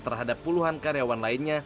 terhadap puluhan karyawan lainnya